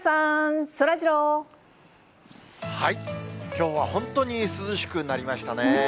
きょうは本当に涼しくなりましたね。